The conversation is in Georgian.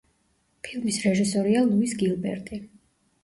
ფილმის რეჟისორია ლუის გილბერტი.